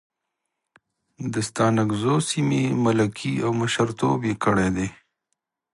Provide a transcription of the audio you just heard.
د ستانکزو سیمې ملکي او مشرتوب یې کړی دی.